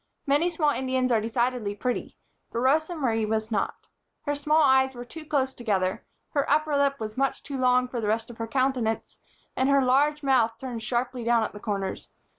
Many small Indians are decidedly pretty, but Rosa Marie was not. Her small eyes were too close together, her upper lip was much too long for the rest of her countenance and her large mouth turned sharply down at the corners.